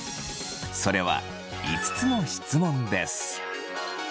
それは５つの質問です。